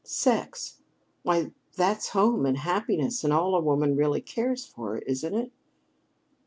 Sex! Why, that's home and happiness and all a woman really cares for, isn't it?"